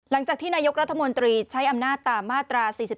หลังจากที่นายกรัฐมนตรีใช้อำนาจตามมาตรา๔๔